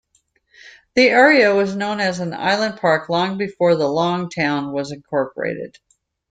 The area was known as Island Park long before the -long town was incorporated.